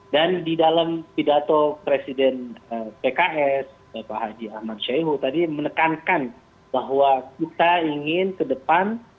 dan di dalam pidato presiden pks pak haji ahmad syaihu tadi menekankan bahwa kita ingin ke depan